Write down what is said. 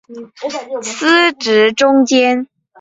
司职中坚。